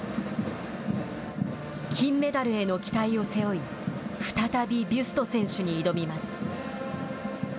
金メダルへの期待を背負い再びビュスト選手に挑みます。